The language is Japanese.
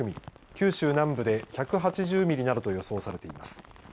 九州南部で１８０ミリなどと予想されています。